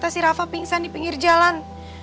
tapi si rafa pingsan di pinggir jalan